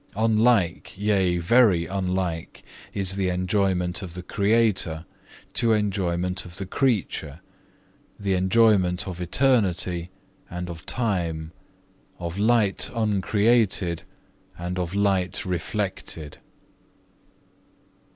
Unlike, yea, very unlike is the enjoyment of the Creator to enjoyment of the Creature, the enjoyment of eternity and of time, of light uncreated and of light reflected.